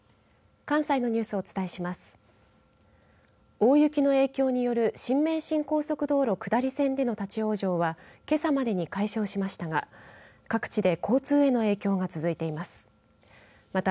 大雪の影響による新名神高速道路下り線での立往生はけさまでに解消しましたがまた各地で交通への影響が続いています。